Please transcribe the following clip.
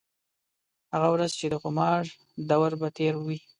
هغه ورځ چې د خومار دَور به تېر وي